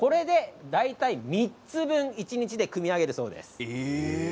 これで３つ分一日に組み上げるそうです。